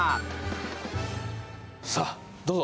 さあどうぞ。